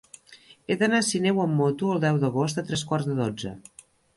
He d'anar a Sineu amb moto el deu d'agost a tres quarts de dotze.